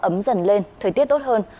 ấm dần lên thời tiết tốt hơn